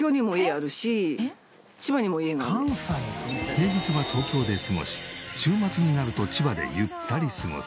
平日は東京で過ごし週末になると千葉でゆったり過ごす